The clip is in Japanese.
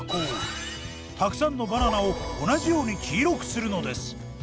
たくさんのバナナを同じように黄色くするのです。